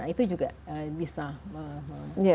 itu juga bisa